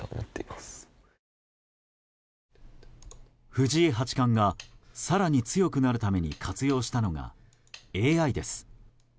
藤井八冠が更に強くなるために活用したのがＡＩです。